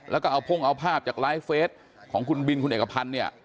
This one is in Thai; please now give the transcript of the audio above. แล้วก็เอาพ่งเอาภาพจากไลฟ์เฟสของคุณบินคุณเอกพันธ์เนี่ย